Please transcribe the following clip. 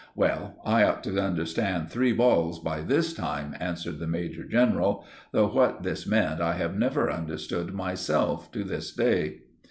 "Well, I ought to understand three balls by this time," answered the major general, though what this meant I have never understood myself to this day.